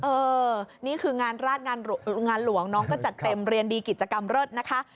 เออนี่คืองานราชงานหลวงน้องก็จัดเต็มเรียนดีกิจกรรมเลิศนะคะ